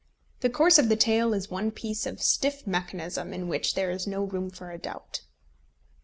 The course of the tale is one piece of stiff mechanism, in which there is no room for a doubt.